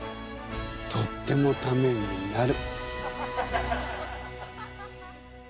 とってもタメになる。